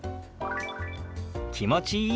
「気持ちいい」。